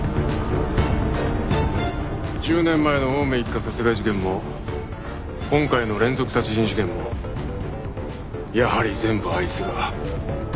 １０年前の青梅一家殺害事件も今回の連続殺人事件もやはり全部あいつが。